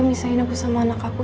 misahin aku sama anak aku